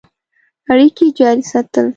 اړیکي جاري ساتل.